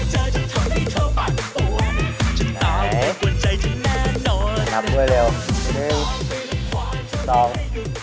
ไหนนับด้วยเร็วหนึ่งสอง